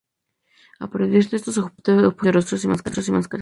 A partir de estos objetos reproduce rostros y máscaras.